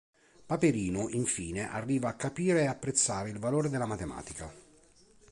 Paperino infine arriva a capire e apprezzare il valore della matematica.